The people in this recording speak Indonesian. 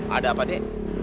ada apa de